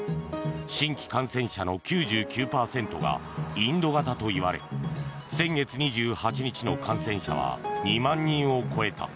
新規感染者の９９％がインド型といわれ先月２８日の感染者は２万人を超えた。